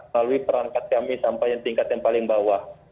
lalu perangkat kami sampai yang tingkat yang paling bawah